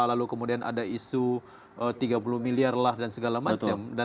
lalu kemudian ada isu tiga puluh miliar lah dan segala macam